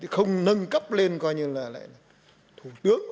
không nâng cấp lên coi như là thủ tướng